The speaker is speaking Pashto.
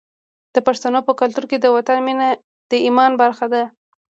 د پښتنو په کلتور کې د وطن مینه د ایمان برخه ده.